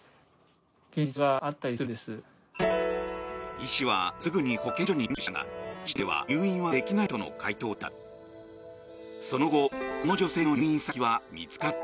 医師はすぐに保健所に連絡したがこの時点では入院はできないとの回答だった。